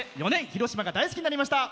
広島が大好きになりました。